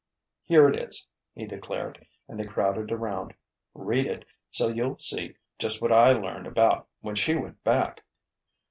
"Here it is," he declared, and they crowded around. "Read it, so you'll see just what I learned about when she went back."